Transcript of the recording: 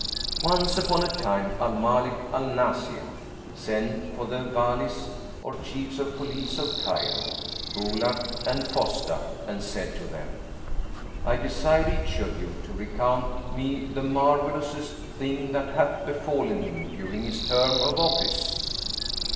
Once upon a time Al Malik al Nбsir[FN#399] sent for the Wбlis or Chiefs of Police of Cairo, Bulak, and Fostat[FN#400] and said to them, "I desire each of you to recount me the marvellousest thing that hath befallen him during his term of office."